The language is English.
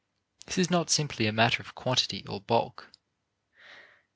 This is not simply a matter of quantity or bulk.